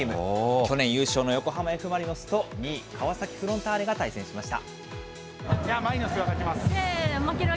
去年、優勝の横浜Ｆ・マリノスと２位川崎フロンターレが対戦しました。